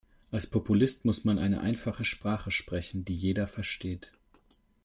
Als Populist muss man eine einfache Sprache sprechen, die jeder versteht.